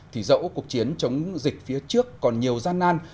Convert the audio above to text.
thì dẫu cuộc chiến chống dịch phía trước còn nhiều gian nan